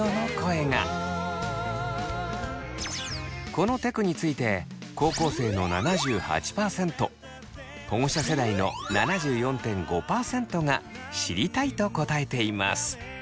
このテクについて高校生の７８％保護者世代の７４．５％が「知りたい」と答えています。